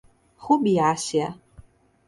Rubiácea